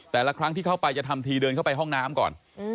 แต่ละครั้งที่เข้าไปจะทำทีเดินเข้าไปห้องน้ำก่อน